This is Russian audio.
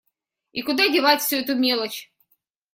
И куда девать всю эту мелочь?